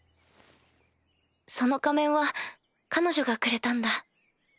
その仮面は彼女がくれたんだ。